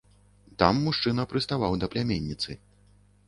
Там мужчына прыставаў да пляменніцы.